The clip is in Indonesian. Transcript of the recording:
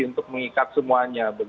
untuk mengikat semuanya